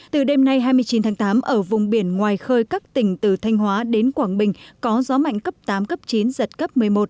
từ đêm nay hai mươi chín tháng tám ở vùng biển ngoài khơi các tỉnh từ thanh hóa đến quảng bình có gió mạnh cấp tám cấp chín giật cấp một mươi một